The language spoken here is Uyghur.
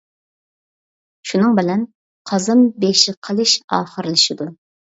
شۇنىڭ بىلەن «قازان بېشى قىلىش» ئاخىرلىشىدۇ.